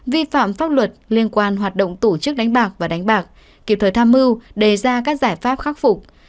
vi phạm pháp luật liên quan hoạt động tổ chức đánh bạc và đánh bạc kịp thời tham mưu đề ra các giải pháp khắc phục